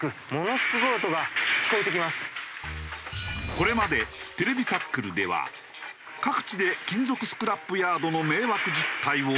これまで『ＴＶタックル』では各地で金属スクラップヤードの迷惑実態を取材。